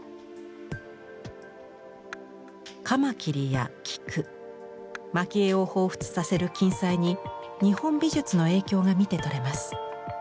カマキリや菊蒔絵を彷彿させる金彩に日本美術の影響が見てとれます。